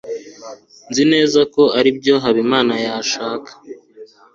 nzi neza ko aribyo habimana yashaka